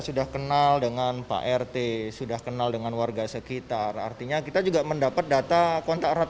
sudah kenal dengan pak rt sudah kenal dengan warga sekitar artinya kita juga mendapat data kontak erat